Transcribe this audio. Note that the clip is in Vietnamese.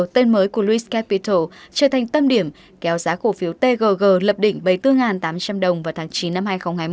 tên mới của lewis capital trở thành tâm điểm kéo giá cổ phiếu tgg lập định bảy mươi bốn tám trăm linh đồng vào tháng chín năm hai nghìn hai mươi một